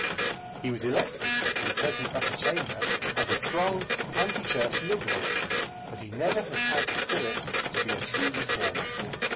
He was elected to the present Upper Chamber as a strong anti Church Liberal, but he never has had the spirit to be a true reformer.